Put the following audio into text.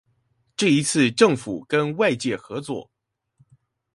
這一次政府跟外界合作